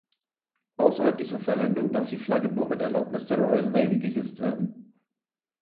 Außerhalb dieser Verwendung darf die Flagge nur mit Erlaubnis der Royal Navy gehisst werden.